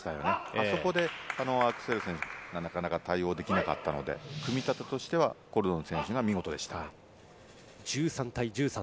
あそこでアクセルセンがなかなか対応できなかったので、組み方としてはコルドン選手が見事でした。